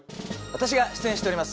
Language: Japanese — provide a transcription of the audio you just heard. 私が出演しております